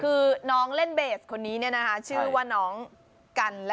คือน้องเล่นเบสคนนี้เนี้ยนะคะชื่อว่าน้องกันระกัน